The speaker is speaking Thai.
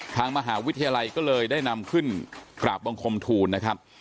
ทางมหาวิทยาลัยก็เลยได้นำขึ้นกล่าวบงคลมถูน